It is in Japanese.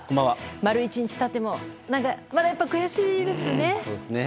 丸１日経ってもまだやっぱり悔しいですね。